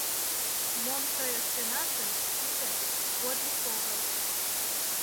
Мом тый ыштенат гын, тиде — подвиг огыл.